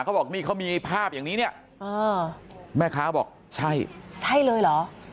เขาบอกนี่เขามีภาพอย่างนี้เนี่ยแม่ค้าบอกใช่ใช่เลยเหรอ